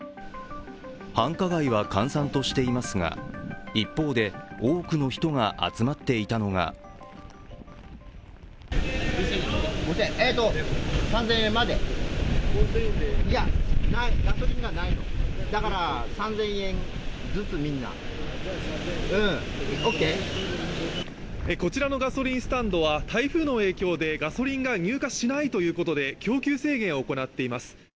繁華街は閑散としていますが、一方で、多くの人が集まっていたのがこちらのガソリンスタンドは台風の影響でガソリンが入荷しないということで供給制限を行っています。